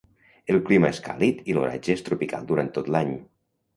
El clima és càlid i l'oratge és tropical durant tot l'any.